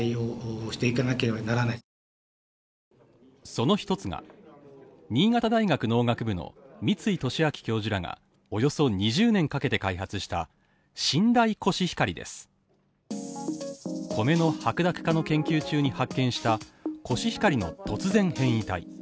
その一つが、新潟大学農学部の三ツ井敏明教授らがおよそ２０年かけて開発した新大コシヒカリです米の白濁化の研究中に発見したコシヒカリの突然変異体。